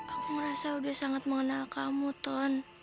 aku merasa udah sangat mengenal kamu ton